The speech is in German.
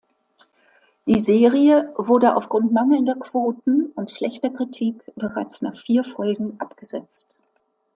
Die Serie wurde aufgrund mangelnder Quoten und schlechter Kritik bereits nach vier Folgen abgesetzt.